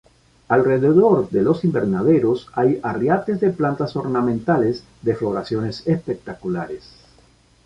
Alrededor de los invernaderos hay arriates de plantas ornamentales de floraciones espectaculares.